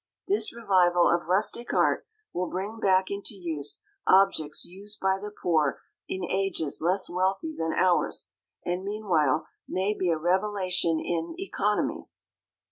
This revival of rustic art will bring back into use objects used by the poor in ages less wealthy than ours, and meanwhile may be a revelation in "economy."